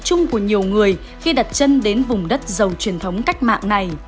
chung của nhiều người khi đặt chân đến vùng đất giàu truyền thống cách mạng này